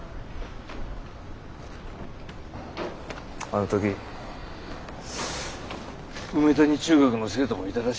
あの時梅谷中学の生徒もいたらしいね。